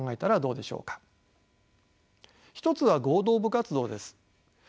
一つは合同部活動です。